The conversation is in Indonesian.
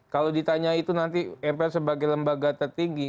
kalau ditanya itu nanti mpr sebagai lembaga tertinggi